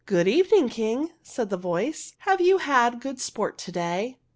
"Good evening, King!" said the voice. " Have you had good sport to day